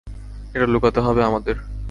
এটা লুকাতে হবে আমাদের।